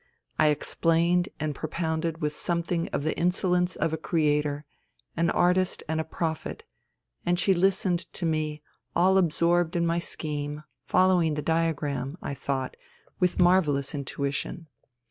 I explained and propounded with something of the insolence of a creator, an artist and a prophet, and she listened to me, all absorbed in my scheme, following the diagram, I thought, with marvellous intuition.